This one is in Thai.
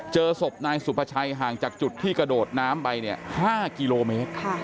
เจอศพนายสุภาชัยห่างจากจุดที่กระโดดน้ำไป๕กิโลเมตร